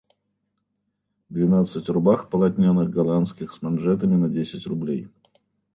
Двенадцать рубах полотняных голландских с манжетами на десять рублей.